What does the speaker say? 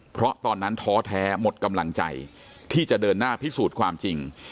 เพราะตอนนั้นท้อแท้หมดกำลังใจที่จะเดินหน้าพิสูจน์ความจริง